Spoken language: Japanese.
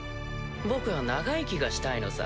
僕は長生きがしたいのさ。